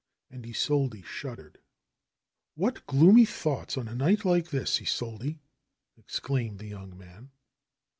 And Isolde shuddered. ^^What gloomy thoughts on a night like this, Isolde !" exclaimed the young man.